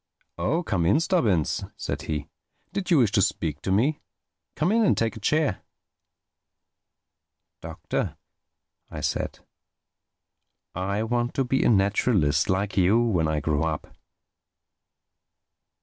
"Oh—come in, Stubbins," said he, "did you wish to speak to me? Come in and take a chair." "Doctor," I said, "I want to be a naturalist—like you—when I grow up."